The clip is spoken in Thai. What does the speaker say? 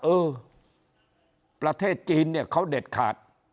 เออประเทศจีนเขาเด็ดขาด